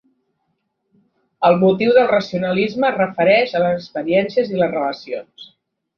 El motiu del relacionalisme es refereix a les experiències i les relacions.